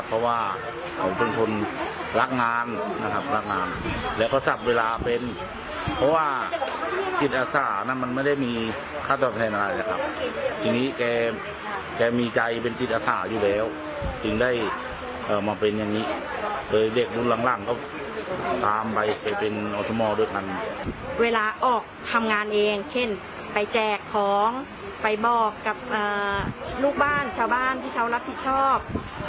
เพราะว่าผมเป็นคนรักงานนะครับรักงานแล้วก็สับเวลาเป็นเพราะว่าจิตอาสาน่ะมันไม่ได้มีค่าตอบแทนอะไรนะครับทีนี้แกแกมีใจเป็นจิตอาสาอยู่แล้วจึงได้มาเป็นอย่างนี้โดยเด็กรุ่นหลังหลังก็ตามไปไปเป็นอสมโดยทันเวลาออกทำงานเองเช่นไปแจกของไปบอกกับลูกบ้านชาวบ้านที่เขารับผิดชอบ